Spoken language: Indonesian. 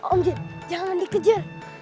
om jin jangan dikejar